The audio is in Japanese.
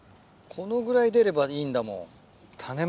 このぐらい出ればいいんだもう。